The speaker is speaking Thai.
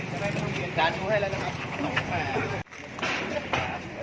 ของดินเต็มถือวิทยุได้